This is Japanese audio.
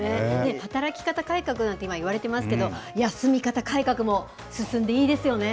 働き方改革なんて今、いわれてますけど、休み方改革も進んでいいですよね。